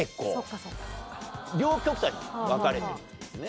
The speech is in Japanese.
両極端に分かれてるんですね。